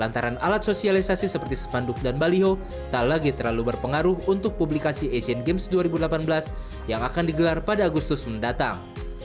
lantaran alat sosialisasi seperti spanduk dan baliho tak lagi terlalu berpengaruh untuk publikasi asian games dua ribu delapan belas yang akan digelar pada agustus mendatang